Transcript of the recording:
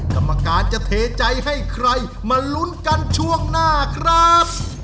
กรรมการจะเทใจให้ใครมาลุ้นกันช่วงหน้าครับ